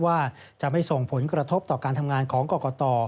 ว่าจะไม่ส่งผลกระทบต่อการทำงานของกรกต